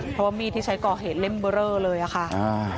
เพราะว่ามีดที่ใช้ก่อเหตุเล่มเบอร์เรอเลยอะค่ะ